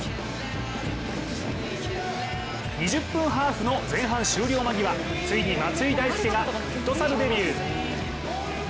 ２０分ハーフの前半終了間際ついに松井大輔がフットサルデビュー。